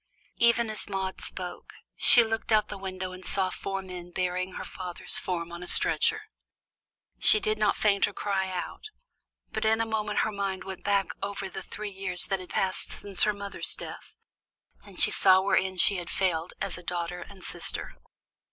Even as Maude spoke, she looked out of the window and saw four men bearing her father's form on a stretcher. She did not faint or cry out, but in a moment her mind went back over the three years that had passed since her mother's death, and she saw wherein she had failed as a daughter and sister.